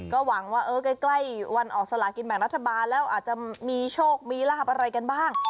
ก็หวังว่าใกล้วันออกสลากินแบ่งรัฐบาลแล้วอาจจะมีโชคมีลาบอะไรกันบ้าง